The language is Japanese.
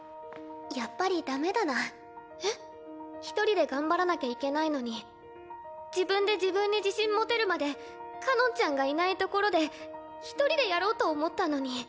一人で頑張らなきゃいけないのに自分で自分に自信持てるまでかのんちゃんがいないところで一人でやろうと思ったのに。